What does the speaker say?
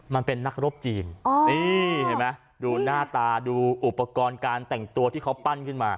มันเป็นนักรบจีนนี่เห็นไหมดูหน้าตาดูอุปกรณ์การแต่งตัวที่เขาปั้นขึ้นมา